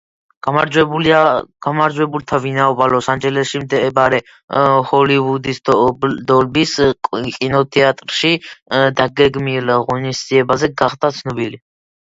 გამარჯვებულთა ვინაობა ლოს-ანჯელესში მდებარე, ჰოლივუდის „დოლბის“ კინოთეატრში დაგეგმილ ღონისძიებაზე გახდება ცნობილი.